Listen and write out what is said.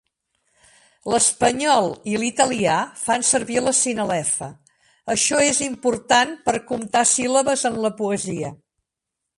L'espanyol i l'italià fan servir la sinalefa; això és important per comptar síl·labes en la poesia.